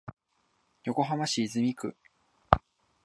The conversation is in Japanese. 横浜市泉区